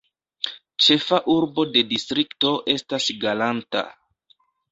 Ĉefa urbo de distrikto estas Galanta.